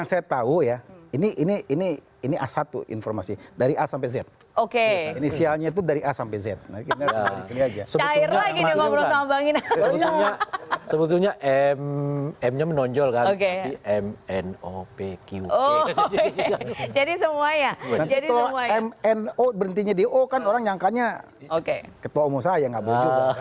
nah itu m n o berhentinya di o kan orang nyangkanya ketua umur saya nggak bocor